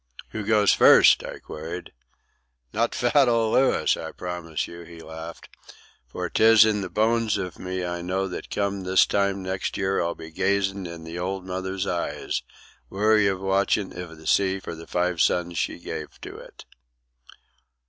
"Who goes first?" I queried. "Not fat old Louis, I promise you," he laughed. "For 'tis in the bones iv me I know that come this time next year I'll be gazin' in the old mother's eyes, weary with watchin' iv the sea for the five sons she gave to it."